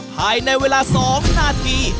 ภายในเวลา๒นาที